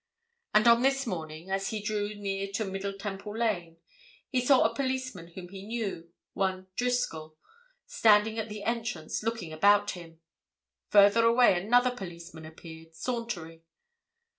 And on this morning, as he drew near to Middle Temple Lane, he saw a policeman whom he knew, one Driscoll, standing at the entrance, looking about him. Further away another policeman appeared, sauntering.